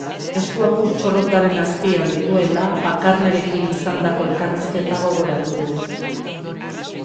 Eskuak ur txorrotaren azpian dituela, Bakarnerekin izandako elkarrizketa gogoratu du.